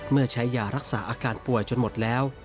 เมื่อใช้ยารักษาอาการป่วยจนหมดแล้ว